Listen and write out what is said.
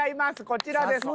こちらです。